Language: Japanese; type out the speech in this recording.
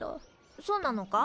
そうなのか？